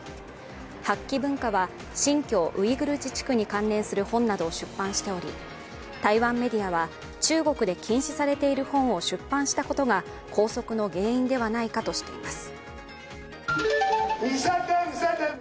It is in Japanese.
八旗文化は新疆ウイグル自治区に関連する本などを出版しており台湾メディアは中国で禁止されている本を出版したことが拘束の原因ではないかとしています。